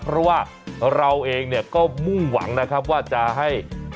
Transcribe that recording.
เพราะว่าเราเองเนี่ยก็มุ่งหวังนะครับว่าจะให้